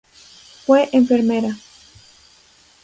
Fue enfermera.